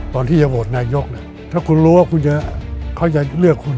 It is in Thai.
ตอนที่จะโหวตนายกยกถ้าคุณรู้ว่าเขาจะเลือกคุณ